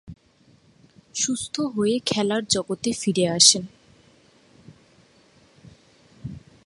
সুস্থ হয়ে খেলার জগতে ফিরে আসেন।